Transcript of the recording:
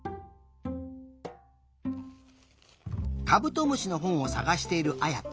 カブトムシのほんをさがしているあやと。